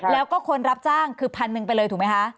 แล้วก็คนรับจ้างคือพันหนึ่งไปเลยถูกไหมคะ